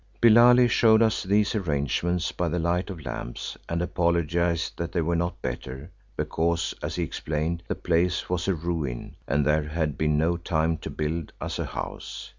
Billali showed us these arrangements by the light of lamps and apologised that they were not better because, as he explained, the place was a ruin and there had been no time to build us a house.